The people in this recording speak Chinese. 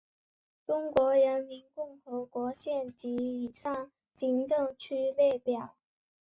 中华人民共和国县级以上行政区列表